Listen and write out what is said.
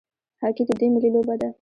هاکي د دوی ملي لوبه ده.